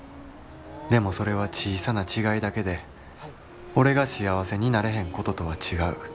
でもそれは小さな違いだけで俺が幸せになれへんこととは違う」。